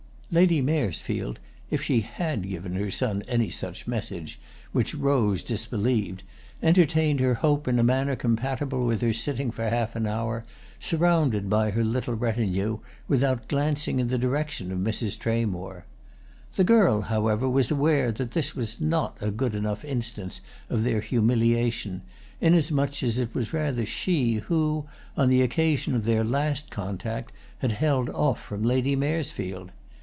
Lady Maresfield, if she had given her son any such message, which Rose disbelieved, entertained her hope in a manner compatible with her sitting for half an hour, surrounded by her little retinue, without glancing in the direction of Mrs. Tramore. The girl, however, was aware that this was not a good enough instance of their humiliation; inasmuch as it was rather she who, on the occasion of their last contact, had held off from Lady Maresfield.